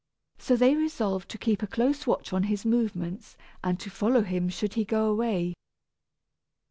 So they resolved to keep a close watch on his movements, and to follow him should he go away.